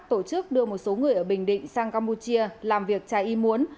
tổ chức đưa một số người ở bình định sang campuchia làm việc trái y muốn